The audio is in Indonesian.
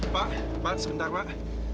pak balik sebentar pak